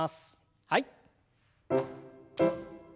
はい。